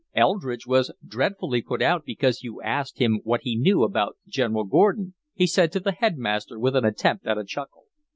"Eldridge was dreadfully put out because you asked him what he knew about General Gordon," he said to the headmaster, with an attempt at a chuckle.